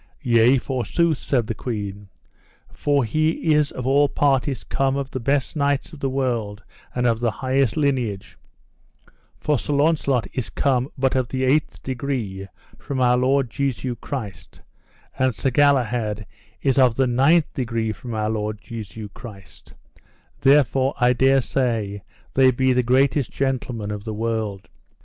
Yea, forsooth, said the queen, for he is of all parties come of the best knights of the world and of the highest lineage; for Sir Launcelot is come but of the eighth degree from our Lord Jesu Christ, and Sir Galahad is of the ninth degree from our Lord Jesu Christ, therefore I dare say they be the greatest gentlemen of the world.